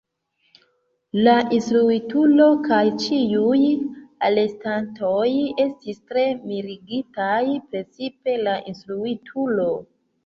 La instruitulo kaj ĉiuj alestantoj estis tre mirigitaj, precipe la instruitulo.